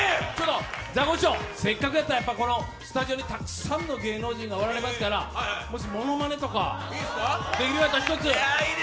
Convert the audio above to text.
ザコシショウ、せっかくスタジオにたくさんの芸能人がおられますからものまねとか、できるんだったら１つ。